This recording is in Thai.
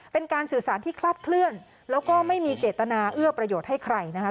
เป็นการสื่อสารที่คลาดเคลื่อนแล้วก็ไม่มีเจตนาเอื้อประโยชน์ให้ใครนะคะ